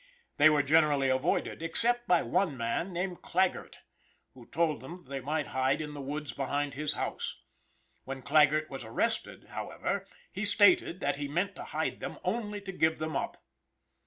They were generally avoided, except by one man named Claggert, who told them they might hide in the woods behind his house. When Claggert was arrested, however he stated that he meant to hide them only to give them up.